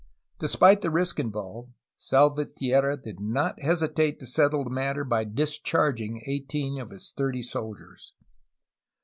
Despite the risk involved, Salvatierra did not hesitate to settle the matter by discharging eighteen of his thirty soldiers.